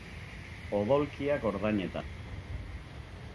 Odolkiak ordainetan.